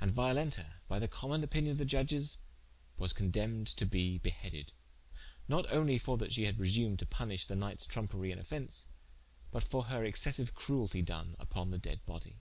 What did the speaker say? And Violenta by the common opinion of the Judges was condempned to be beheaded: not only for that she had presumed to punishe the knightes tromperie and offence, but for her excessiue crueltie doen vpon the dead body.